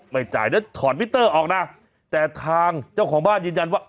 ไม่จ่ายเดี๋ยวถอดมิเตอร์ออกนะแต่ทางเจ้าของบ้านยืนยันว่า